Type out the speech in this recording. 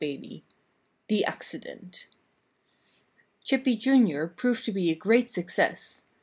XVI THE ACCIDENT Chippy, Jr., proved to be a great success.